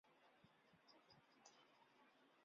奥贝赖森是德国图林根州的一个市镇。